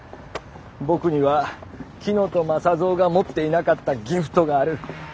僕には乙雅三が持っていなかった「ギフト」があるッ。